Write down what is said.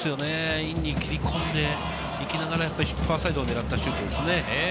インに切り込んで行きながら、ファーサイドを狙ったシュートですね。